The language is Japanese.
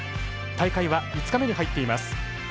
大会は５日目に入っています。